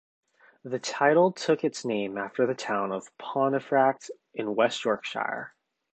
The title took its name after the town of Pontefract in West Yorkshire.